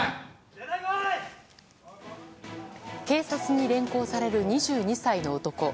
警察に連行される２２歳の男。